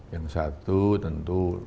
yang satu tentu